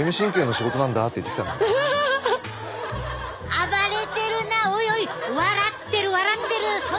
暴れてるなおいおい笑ってる笑ってるそんな笑う？